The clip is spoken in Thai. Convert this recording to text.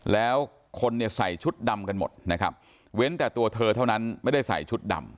แล้วคนเนี่ยใส่ชุดดำกันหมดนะครับเว้นแต่ตัวเธอเท่านั้นไม่ได้ใส่ชุดดำ